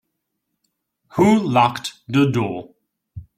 Who locked the door?